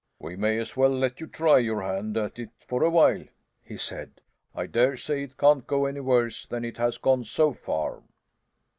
"We may as well let you try your hand at it for a while," he said. "I dare say it can't go any worse than it has gone so far."